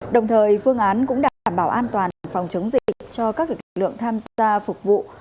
đồng thời phương án cũng đã đảm bảo an toàn phòng chống dịch cho các lực lượng tham gia phục vụ